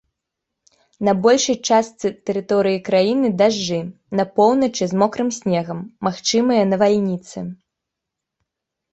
На большай частцы тэрыторыі краіны дажджы, па поўначы з мокрым снегам, магчымыя навальніцы.